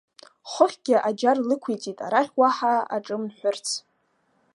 Хыхьгьы аџьар лақәиҵеит, арахь уаҳа аҿы мҳәырц.